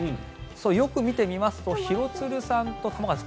よく見てみますと廣津留さんと玉川さん